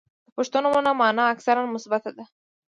• د پښتو نومونو مانا اکثراً مثبته ده.